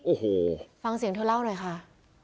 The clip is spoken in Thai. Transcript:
โอ้โหฟังเสียงเธอเล่าหน่อยค่ะ